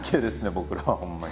僕らはほんまに。